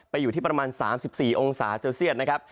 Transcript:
อยู่ที่ประมาณ๓๔องศาเซลเซียตนะครับ